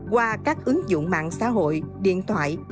qua các ứng dụng mạng xã hội điện thoại